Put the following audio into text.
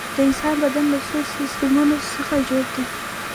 د انسان بدن له څو سیستمونو څخه جوړ دی